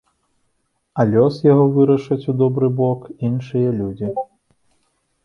А лёс яго вырашаць у добры бок іншыя людзі.